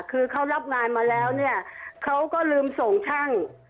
คือเขารับงานมาแล้วเนี่ยเขาก็ลืมส่งช่าง